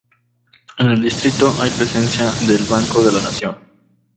En el distrito hay presencia del Banco de la Nación.